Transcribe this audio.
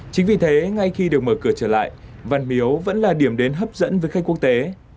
chính vì thế ngay khi được mở cửa trở lại văn miếu vẫn là điểm đến hấp dẫn với khách quốc tế